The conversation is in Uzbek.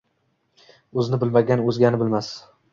O‘zini bilmagan o‘zgani bilmas.